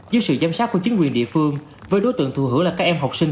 dưới sự giám sát của chính quyền địa phương với đối tượng thù hưởng là các em học sinh